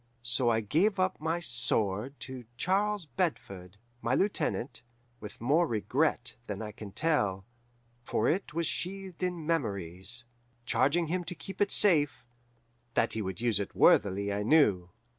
So I gave up my sword to Charles Bedford, my lieutenant, with more regret than I can tell, for it was sheathed in memories, charging him to keep it safe that he would use it worthily I knew.